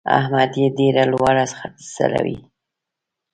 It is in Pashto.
احمد يې ډېره لوړه ځړوي.